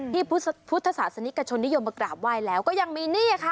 ที่พุทธศาสนิกชนนิยมมากราบไหว้แล้วก็ยังมีนี่ค่ะ